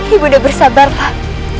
ibu nda bersabarlah